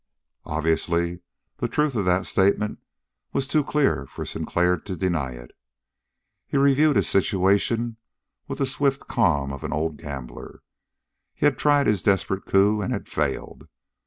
Obviously the truth of that statement was too clear for Sinclair to deny it. He reviewed his situation with the swift calm of an old gambler. He had tried his desperate coup and had failed.